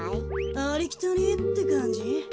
ありきたりってかんじ？